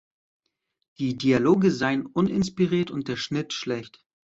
Die Dialoge seien uninspiriert und der Schnitt schlecht.